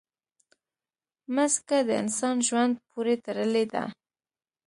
مځکه د انسان ژوند پورې تړلې ده.